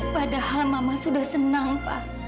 padahal mama sudah senang pak